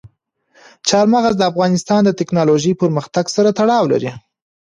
چار مغز د افغانستان د تکنالوژۍ پرمختګ سره تړاو لري.